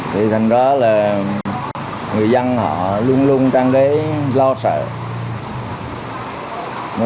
thì thành ra là người dân họ luôn luôn trang trí lo sợ